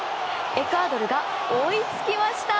エクアドルが追いつきました。